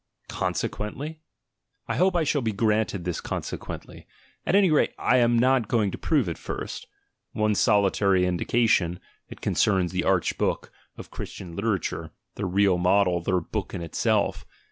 "Consequently?" I hope I shall be granted this "consequently"; at any rate, I am not going to prove it first. One solitary indication, it concerns the arch book of Christian literature, their real model, their "book in itself."